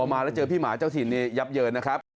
มาแล้วเจอพี่หมาเจ้าถิ่นนี่ยับเยินนะครับ